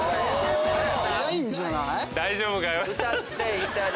大丈夫かよ？